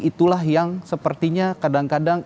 itulah yang sepertinya kadang kadang